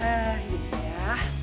eh gitu ya